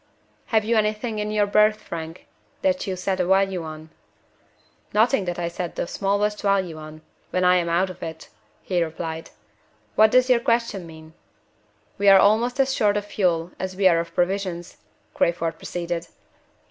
"Have you anything in your berth, Frank, that you set a value on?" "Nothing that I set the smallest value on when I am out of it," he replied. "What does your question mean?" "We are almost as short of fuel as we are of provisions," Crayford proceeded.